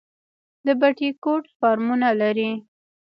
د بټي کوټ فارمونه لري